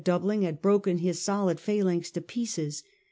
doubling had broken his solid phalanx to pieces.